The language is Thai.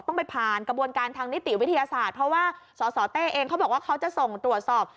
ต้องไปผ่านกระบวนการทางนิติวิทยาศาสตร์เพราะว่าสสเต้เองเขาบอกว่าเขาจะส่งตรวจสอบ